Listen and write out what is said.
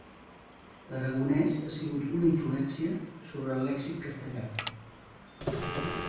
L'aragonés ha sigut una influència sobre el lèxic castellà.